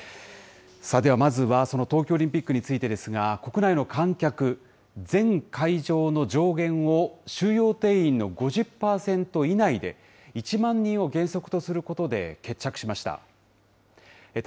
ではまずはその東京オリンピックについてですが、国内の観客、全会場の上限を、収容定員の５０％以内で、１万人を原則とすることで決着しました。